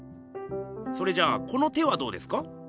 それじゃこの手はどうですか？